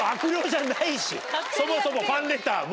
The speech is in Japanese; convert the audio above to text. そもそもファンレターも。